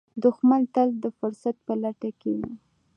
دښمن تل د فرصت په لټه کې وي